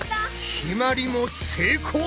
ひまりも成功！